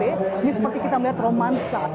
ini seperti kita melihat romansa